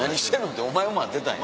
ってお前を待ってたんや。